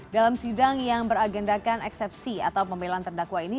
dalam sidang yang beragendakan eksepsi atau pembelaan terdakwa ini